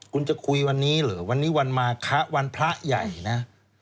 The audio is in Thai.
คุณจะคุยวันนี้เหรอวันนี้วันมาคะวันพระใหญ่นะ